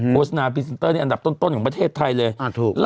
โฆษณาพรีเซนเตอร์นี่อันดับต้นของประเทศไทยเลย